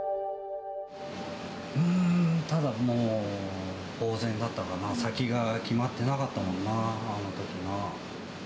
うーん、ただもう、ぼう然だったかな、先が決まってなかったもんな、あのときな。